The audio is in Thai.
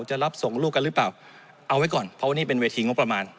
จะรับส่งลูกกันหรือเปล่าเอาไว้ก่อนเพราะว่านี่เป็นเวทีงบประมาณ